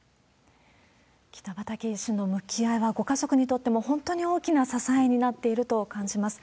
北畠医師の向き合いは、ご家族にとっても本当に大きな支えになっていると感じます。